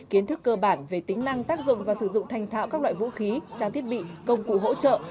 kiến thức cơ bản về tính năng tác dụng và sử dụng thành thạo các loại vũ khí trang thiết bị công cụ hỗ trợ